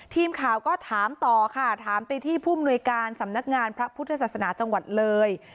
ทีมข่าวก็ถามต่อค่ะถามไปที่ผู้มนุยการสำนักงานพระพุทธศาสนาจังหวัดเลย